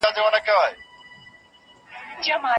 ترکاري د وده لپاره ضروري ده.